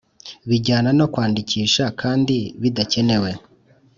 bijyana no kwandikisha kandi bidakenewe